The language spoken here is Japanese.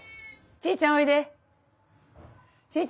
チーちゃんおいで。